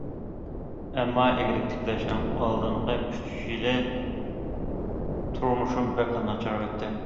ئەمما ئىگىلىك تىكلەشنىڭ ئالدىنقى ئۈچ يىلى تۇرمۇشۇم بەكلا ناچار ئۆتتى.